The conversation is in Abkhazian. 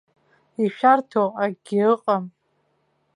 Ишәарҭоу акгьы ыҟам!